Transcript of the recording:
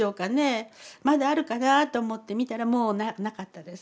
まだあるかなと思って見たらもうなかったです。